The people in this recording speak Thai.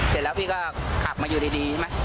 เสร็จแล้วพี่ก็ขับมาอยู่ดีใช่ไหม